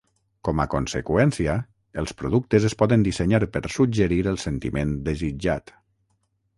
Com a conseqüència, els productes es poden dissenyar per suggerir el sentiment desitjat.